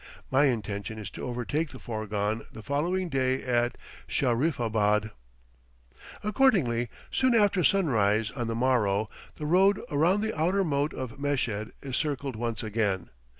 My intention is to overtake the fourgon the following day at Shahriffabad. Accordingly, soon after sunrise on the morrow, the road around the outer moat of Meshed is circled once again.